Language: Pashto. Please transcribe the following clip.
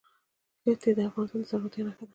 ښتې د افغانستان د زرغونتیا نښه ده.